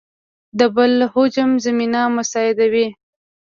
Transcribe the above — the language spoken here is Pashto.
د بل هجوم زمینه مساعد وي.